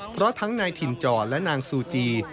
เพราะทั้งนายถิ่นจอและนางซูจี